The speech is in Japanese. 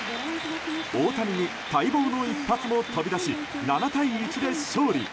大谷に待望の一発も飛び出し７対１で勝利。